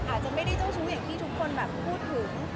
อาจจะไม่ได้เจ้าชู้อย่างที่ทุกคนแบบพูดถึง